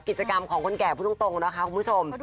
กิจกรรมของคนแก่พูดตรงนะคะคุณผู้ชม